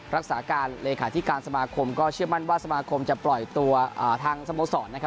รักษาการเลขาธิการสมาคมก็เชื่อมั่นว่าสมาคมจะปล่อยตัวทางสโมสรนะครับ